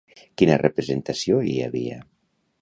Quina representació hi havia?